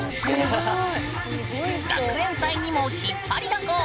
学園祭にも引っ張りだこ！